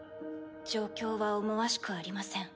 状況は思わしくありません。